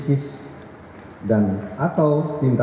atau tindak pidana yang telah diungkap oleh anda